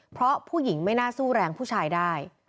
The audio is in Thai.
เพราะผู้หญิงไม่น่าสู้แรงผู้ชายได้